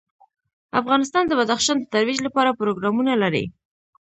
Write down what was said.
افغانستان د بدخشان د ترویج لپاره پروګرامونه لري.